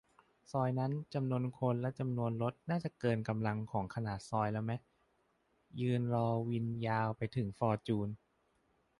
ซอยนั้นจำนวนคนและจำนวนรถน่าจะเกินกำลังของขนาดซอยแล้วไหม ยืนรอวินยาวไปถึงฟอร์จูน